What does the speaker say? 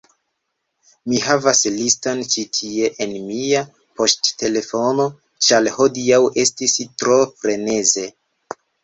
Mi havas liston ĉi tie en mia poŝtelefono ĉar hodiaŭ estis tro freneze